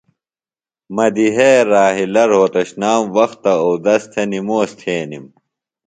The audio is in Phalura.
مدیحئے راحلہ روھتشنام وختہ اودس تھےۡ نِموس تھینِم۔